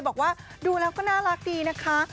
บอกว่าดูแล้วก็น่ารักดีนะคะ